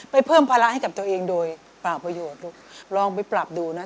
เพิ่มภาระให้กับตัวเองโดยเปล่าประโยชน์ลูกลองไปปรับดูนะ